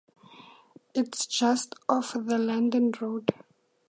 It's just off the London road.